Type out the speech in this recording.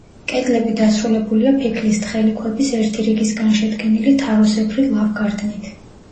კედლები დასრულებულია ფიქლის თხელი ქვების ერთი რიგისგან შედგენილი თაროსებრი ლავგარდნით.